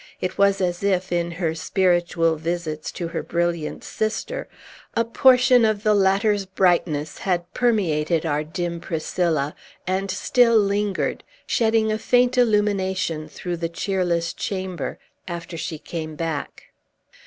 It was as if, in her spiritual visits to her brilliant sister, a portion of the latter's brightness had permeated our dim Priscilla, and still lingered, shedding a faint illumination through the cheerless chamber, after she came back.